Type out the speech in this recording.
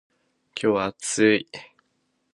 今日は暑い。